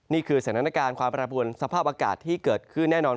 นี่คือสถานการณ์ความประปวนสภาพอากาศที่เกิดขึ้นแน่นอน